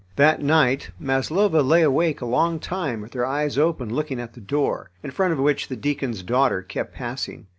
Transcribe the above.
That night Maslova lay awake a long time with her eyes open looking at the door, in front of which the deacon's daughter kept passing.